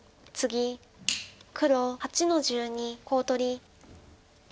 黒８の十二コウ取り。